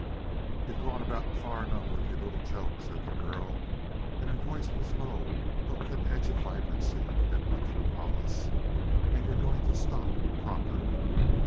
"You've gone about far enough with your little joke," said the girl, and her voice was low, but with an edge of vibrancy that went through Hollis. "And you're going to stop pronto!"